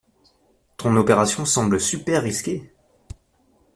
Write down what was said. Ton opération semble super risquée.